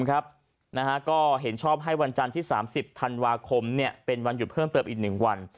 ก็เห็นชอบให้วันจันทร์ที่๓๐ธันวาคมเป็นวันหยุดเพิ่มเติมอีก๑วัน